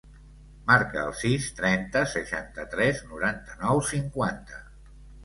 Marca el sis, trenta, seixanta-tres, noranta-nou, cinquanta.